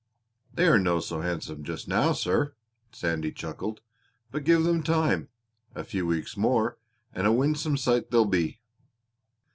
"They are no so handsome just now, sir," Sandy chuckled. "But give them time! A few weeks more, and a winsome sight they'll be."